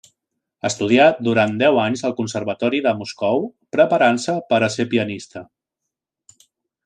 Estudià durant deu anys al Conservatori de Moscou, preparant-se per a ser pianista.